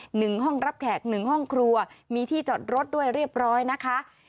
หนึ่งห้องรับแขกหนึ่งห้องครัวมีที่จอดรถด้วยเรียบร้อยนะคะ